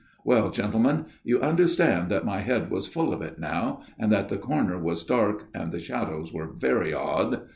" Well, gentlemen, you understand that my head was full of it now, and that the corner was dark, and the shadows were very odd."